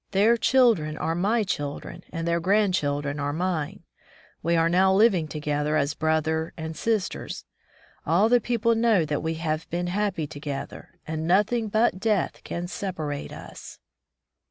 Their children are my children and their grandchildren are mine. We are now living together as brother and sisters. All the people know that we have been happy together, and nothing but death can separate us."